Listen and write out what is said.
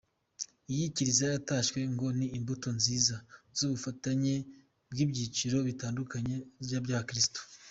Iyi kiliziya yatashywe ngo ni imbuto nziza z’ubufatanye bw’ibyiciro bitandukanye by’abakristu.